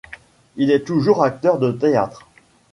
Il est toujours acteur de théâtre.